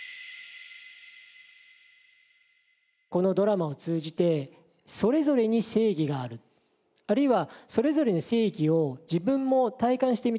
このドラマを通じてそれぞれに正義があるあるいはそれぞれの正義を自分も体感してみたい。